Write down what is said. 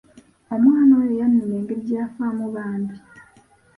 Omwana oyo yannuma engeri gye yafaamu bambi.